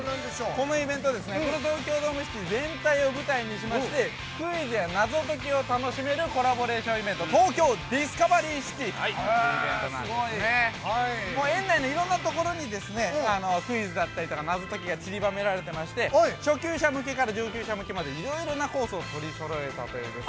◆このイベントはですね、この東京ドームシティ全体を舞台にしまして、クイズや謎解きを楽しめるコラボレーションイベント、東京ディスカバリーシティという、園内のいろんなところにですね、クイズだったりとか謎解きがちりばめられまして、初級者向けから上級者向けまで、いろいろなコースを取りそろえたという。